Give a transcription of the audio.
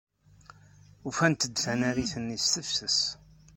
Ufant-d tanarit-nni s tefses.